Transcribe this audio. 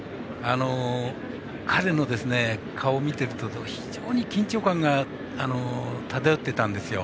彼の顔を見ていると非常に緊張感が漂っていたんですよ。